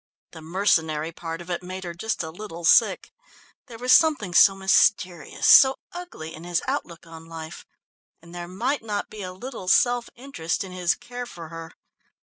The mercenary part of it made her just a little sick. There was something so mysterious, so ugly in his outlook on life, and there might not be a little self interest in his care for her.